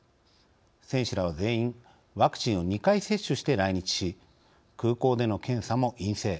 選手らは全員ワクチンを２回接種して来日し空港での検査も陰性。